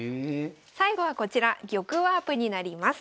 最後はこちら玉ワープになります。